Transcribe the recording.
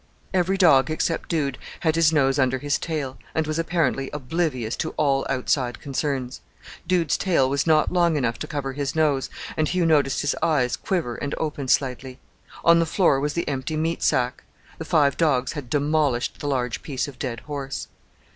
Every dog, except Dude, had his nose under his tail, and was apparently oblivious to all outside concerns. Dude's tail was not long enough to cover his nose, and Hugh noticed his eyes quiver and open slightly. On the floor was the empty meat sack. The five dogs had demolished the large piece of dead horse.